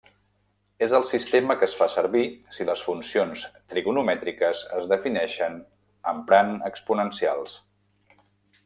És el sistema que es fa servir si les funcions trigonomètriques es defineixen emprant exponencials.